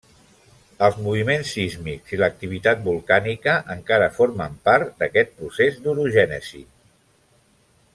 Els moviments sísmics i l'activitat volcànica encara formen part d'aquest procés d'orogènesi.